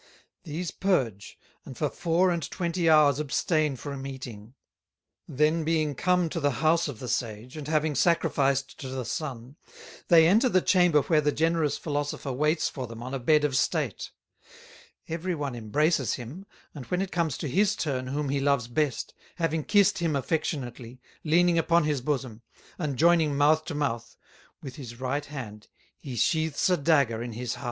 These purge, and for Four and Twenty hours abstain from Eating; then being come to the House of the Sage, and having Sacrificed to the Sun, they enter the Chamber where the generous Philosopher waits for them on a Bed of State; every one embraces him, and when it comes to his turn whom he loves best, having kissed him affectionately, leaning upon his Bosom, and joyning Mouth to Mouth, with his right hand he sheaths a Dagger in his Heart."